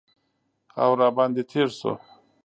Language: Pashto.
او را باندې تیر شو